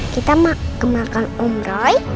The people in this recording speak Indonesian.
kita mah kemakan om roy